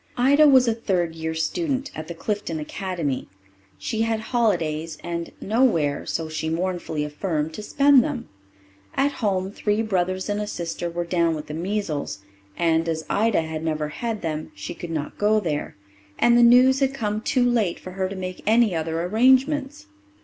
Ida was a third year student at the Clifton Academy; she had holidays, and nowhere, so she mournfully affirmed, to spend them. At home three brothers and a sister were down with the measles, and, as Ida had never had them, she could not go there; and the news had come too late for her to make any other arrangements.